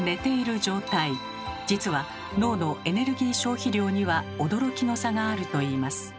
実は脳のエネルギー消費量には驚きの差があるといいます。